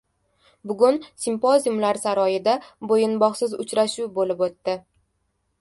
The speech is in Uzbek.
Bugun Simpoziumlar saroyida "Bo‘yinbog‘siz uchrashuv" bo‘lib o‘tdi.